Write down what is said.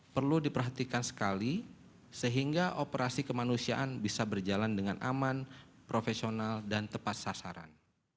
perlu diperhatikan sekali sehingga operasi kemanusiaan bisa berjalan dengan aman profesional dan tepat sasaran